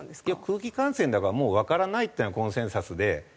いや空気感染だからもうわからないっていうのがコンセンサスで。